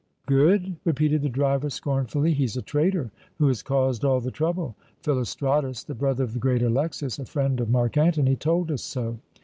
"Good?" repeated the driver, scornfully. "He's a traitor, who has caused all the trouble. Philostratus, the brother of the great Alexas, a friend of Mark Antony, told us so.